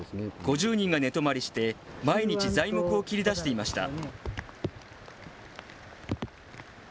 ５０人が寝泊まりして、毎日、材木を切り出していました。